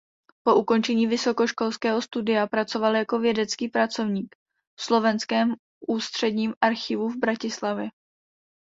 Po ukončení vysokoškolského studia pracoval jako vědecký pracovník v Slovenském ústředním archívu v Bratislavě.